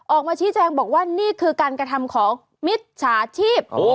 ออกมาชี้แจงบอกว่านี่คือการกระทำของมิจฉาชีพ